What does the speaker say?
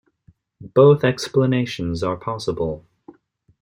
Both explanations are possible.